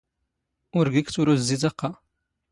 ⵓⵔ ⴳⵉⴽ ⵜⵓⵔⵓ ⵣⵣⵉⵜ ⴰⵇⵇⴰ.